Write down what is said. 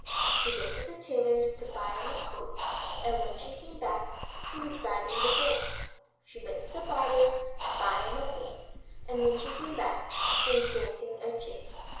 She went to the Tailor's to buy him a coat, ^ And when she came back he was riding the goat. ^< She went to the Barber's to buy him a wig, And when she came back he was dancing a jig.